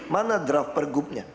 mana draft pergubnya